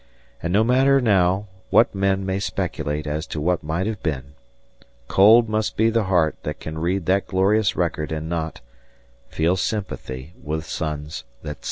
And no matter now what men may speculate as to what might have been, cold must be the heart that can read that glorious record and not "Feel sympathy with suns that set."